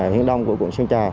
hiện đông của quận sơn trà